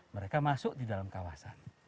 mereka masuk di dalam kawasan